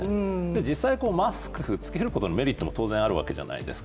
実際、マスク着けることのメリットって当然あるじゃないですか。